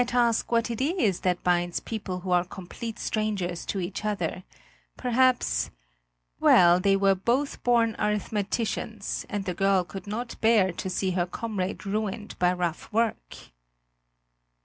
One may ask what it is that binds people who are complete strangers to each other; perhaps well, they were both born arithmeticians, and the girl could not bear to see her comrade ruined by rough work.